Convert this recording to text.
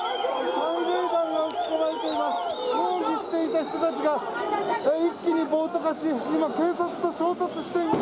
抗議をしている人たちが一気に暴徒化し今、警察と衝突しています。